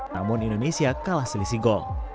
namun indonesia kalah selisih gol